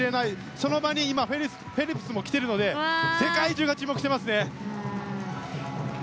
その場に今フェルプスも来ているので世界中が注目していますね。